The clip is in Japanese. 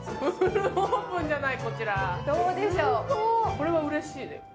これはうれしいね。